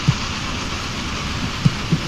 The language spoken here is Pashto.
د ټولني خلګ هم بیلابیل نقشونه لري.